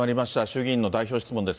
衆議院の代表質問